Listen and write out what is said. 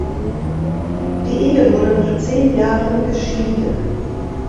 Die Ehe wurde nach zehn Jahren geschieden.